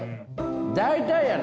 大体やね！